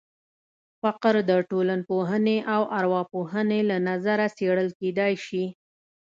فقر د ټولنپوهنې او ارواپوهنې له نظره څېړل کېدای شي.